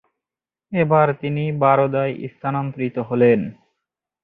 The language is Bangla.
এরপর তিনি বরোদায় স্থানান্তরিত হন।